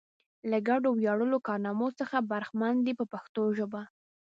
له ګډو ویاړلو کارنامو څخه برخمن دي په پښتو ژبه.